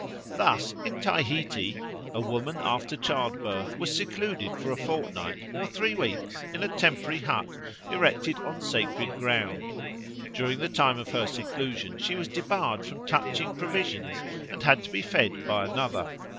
Thus, in Tahiti a woman after childbirth was secluded for a fortnight or three weeks in a temporary hut erected on sacred ground; during the time of her seclusion she was debarred from touching provisions, and had to be fed by another.